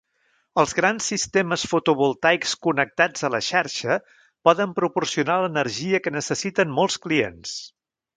Els grans sistemes fotovoltaics connectats a la xarxa poden proporcionar l'energia que necessiten molts clients.